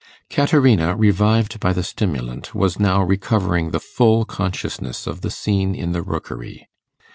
Caterina, revived by the stimulant, was now recovering the full consciousness of the scene in the Rookery.